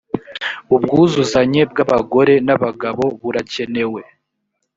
ubwuzuzanye bw abagore n abagabo burakenewe